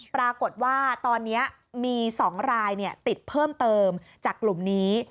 ปรากฏว่าตอนนี้มี๒รายติดเพิ่มเติมจากกลุ่มนี้